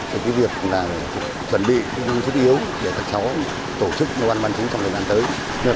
thì cái việc là chuẩn bị kỹ thuật yếu để các cháu tổ chức nông an ban trú trong thời gian tới